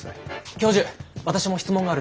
教授私も質問があるんです。